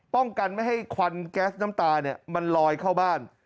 ป้องกันไม่ให้ควันแก๊สน้ำตามันลอยเข้าบ้าน